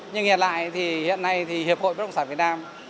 nhưng hiện nay hiệp hội bất động sản việt nam